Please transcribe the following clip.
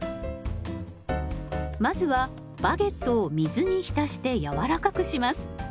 まずはバゲットを水に浸して柔らかくします。